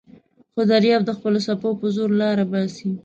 خو دریاب د خپلو څپو په زور لاره باسي.